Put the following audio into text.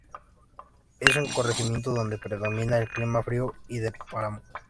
Es un corregimiento donde predomina el clima frío y de páramo.